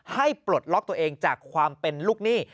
ปลดล็อกตัวเองจากความเป็นลูกหนี้